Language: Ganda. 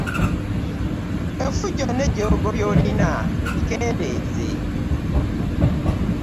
Effujjo n'ejjoogo by'olina likendeeze.